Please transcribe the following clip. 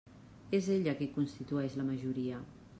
És ella qui constitueix la majoria.